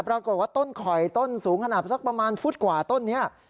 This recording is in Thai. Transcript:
ปรากฏว่าต้นข่อยต้นสูงขนาดสักประมาณฟุตกว่าต้นนี้